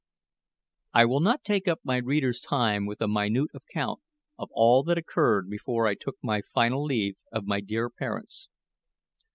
I will not take up my readers' time with a minute account of all that occurred before I took my final leave of my dear parents.